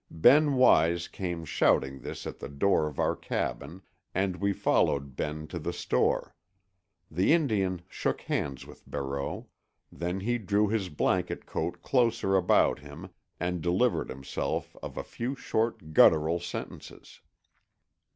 Ben Wise came shouting this at the door of our cabin, and we followed Ben to the store. The Indian shook hands with Barreau. Then he drew his blanket coat closer about him and delivered himself of a few short guttural sentences.